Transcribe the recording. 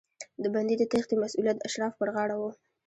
د بندي د تېښتې مسوولیت د اشرافو پر غاړه و.